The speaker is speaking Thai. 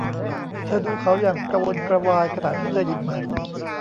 เธอดูเขาอย่างกระวนกระวายขณะที่เธอหยิบมัน